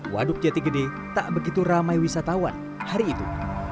waduk jati gede tak begitu ramai wisatawan hari itu